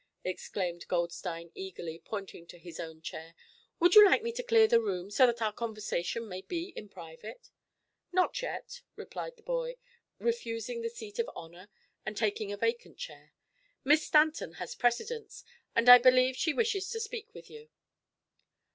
exclaimed Goldstein eagerly, pointing to his own chair. "Would you like me to clear the room, so that our conversation may be private?" "Not yet," replied the boy, refusing the seat of honor and taking a vacant chair. "Miss Stanton has precedence, and I believe she wishes to speak with you."